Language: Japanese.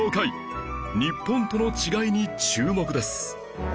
日本との違いに注目です